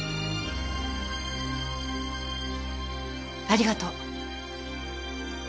ありがとう。